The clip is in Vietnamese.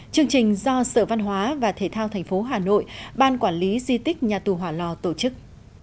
chương trình do sở văn hóa và thể thao thành phố hà nội ban quản lý di tích nhà tù hỏa lò tổ chức